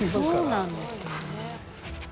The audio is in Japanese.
そうなんですよね。